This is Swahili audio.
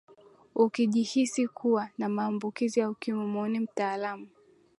ukijihisi kuwa na maambukizi ya ukimwi muone mtaalamu